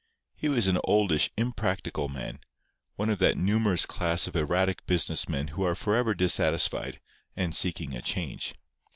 He was an oldish, impractical man—one of that numerous class of erratic business men who are forever dissatisfied, and seeking a change.